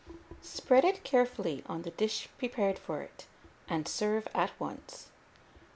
Spread it carefully on the dish prepared for it, and serve at once.